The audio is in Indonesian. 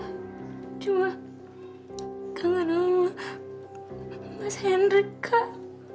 saya cuma kangen nama mas hendrik kak